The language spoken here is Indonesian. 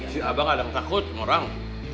si abah kadang takut orang